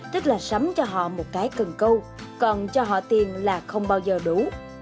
tức là sắm cho họ một cái cần câu còn cho họ tiền là không bao giờ đủ